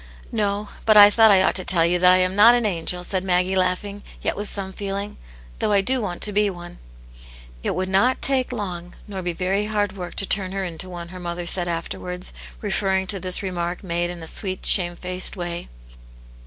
." No ; but I thought I ought to tell you that I ami not an angel," said Maggie, laughing, yet with some feeling, " though I do want to be one." " It would not take long nor be very hard work ta* turn her into one," her mother said, afterwards, re f ferring to this remark made in a sweet, shamefaced, way.